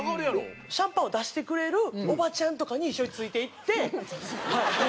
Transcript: シャンパンを出してくれるおばちゃんとかに一緒についていってはい。